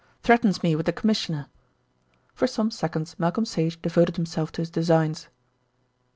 Threatens me with the Commissioner." For some seconds Malcolm Sage devoted himself to his designs.